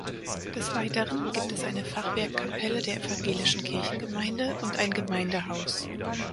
Des Weiteren gibt es eine Fachwerkkapelle der evangelischen Kirchengemeinde und ein Gemeindehaus.